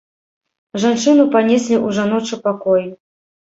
Жанчыну панеслі ў жаночы пакой.